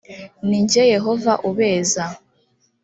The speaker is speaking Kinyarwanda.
ni jye yehova ubeza